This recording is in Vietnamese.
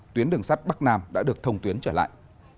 tuyến đường sắt bắc nam đã được thông tuyến trở lại